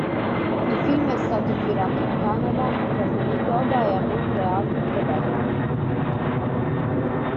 Il film è stato girato in Canada, tra il Manitoba e a Montreal Québec.